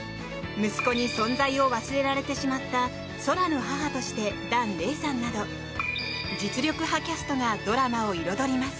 息子に存在を忘れられてしまった空の母として檀れいさんなど実力派キャストがドラマを彩ります。